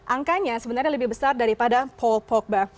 angkanya sebenarnya lebih besar daripada paul pogba